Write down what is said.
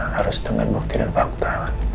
harus dengan bukti dan fakta